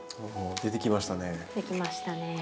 出てきましたね。